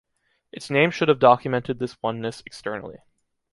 Its name should have documented this oneness externally.